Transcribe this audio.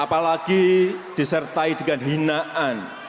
apalagi disertai dengan hinaan